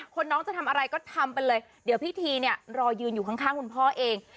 น้องจะทำอะไรก็ทำไปเลยเดี๋ยวพี่ทีเนี่ยรอยืนอยู่ข้างคุณพ่อเอง